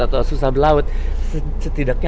atau susah berlaut setidaknya